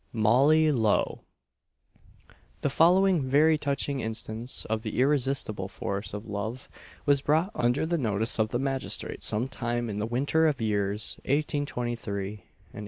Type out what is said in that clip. MOLLY LOWE. The following very touching instance of the irresistible force of love was brought under the notice of the magistrate some time in the winter of the years 1823 and 1824.